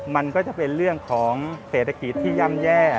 มันก็จะเป็นเรื่องของเศรษฐกิจที่ย่ำแย่